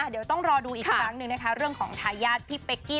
เดี๋ยวต้องรอดูอีกครั้งหนึ่งนะคะเรื่องของทายาทพี่เป๊กกี้